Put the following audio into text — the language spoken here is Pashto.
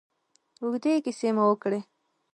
اوږدې کیسې مو وکړې.